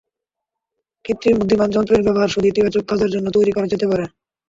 কৃত্রিম বুদ্ধিমান যন্ত্রের ব্যবহার শুধু ইতিবাচক কাজের জন্য তৈরি করা যেতে পারে।